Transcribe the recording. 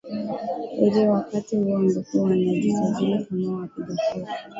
heri wakati huu ambapo wanajisajili kama wapiga kura